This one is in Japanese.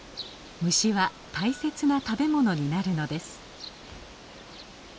虫は大切な食べ物になるのです。